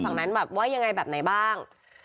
ฝั่งนั้นแบบว่ายังไงแบบไหนบ้าง